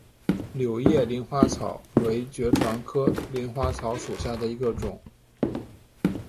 柳叶鳞花草为爵床科鳞花草属下的一个种。